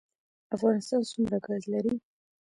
افغانستان څومره ګاز لري؟